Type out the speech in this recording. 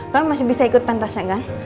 kamu masih bisa ikut pentasnya kan